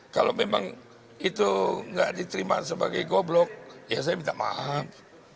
kalau memang itu tidak diterima sebagai goblok ya saya minta maaf